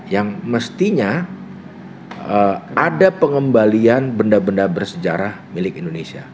yang mestinya ada pengembalian benda benda bersejarah milik indonesia